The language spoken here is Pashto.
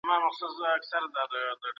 موږ کولای سو چي خپله ټولنه پرمختللي کړو.